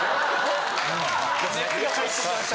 熱が入ってきましたね。